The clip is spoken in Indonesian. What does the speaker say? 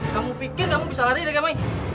kamu pikir kamu bisa lari dengan baik